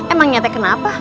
emang itu kenapa